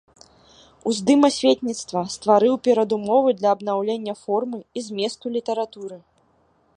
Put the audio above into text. Уздым асветніцтва стварыў перадумовы для абнаўлення формы і зместу літаратуры.